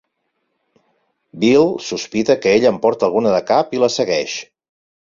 Bill sospita que ella en porta alguna de cap, i la segueix.